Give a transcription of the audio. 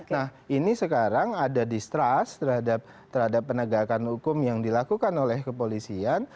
nah ini sekarang ada distrust terhadap penegakan hukum yang dilakukan oleh kepolisian